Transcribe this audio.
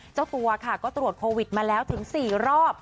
เจ้าตัวค่ะก็ตรวจโควิดมาแล้วถึง๔รอบ